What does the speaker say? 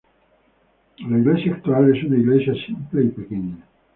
La iglesia actual es una iglesia simple y pequeña.